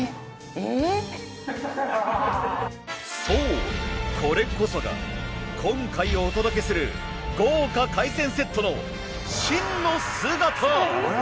そうこれこそが今回お届けする豪華海鮮セットの真の姿。